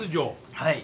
はい。